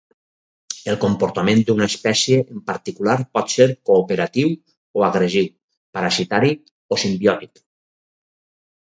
El comportament d'una espècie en particular pot ser cooperatiu o agressiu; parasitari o simbiòtic.